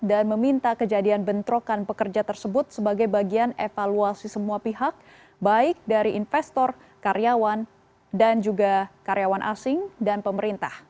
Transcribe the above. dan meminta kejadian bentrokan pekerja tersebut sebagai bagian evaluasi semua pihak baik dari investor karyawan dan juga karyawan asing dan pemerintah